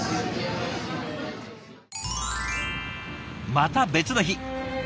また別の日。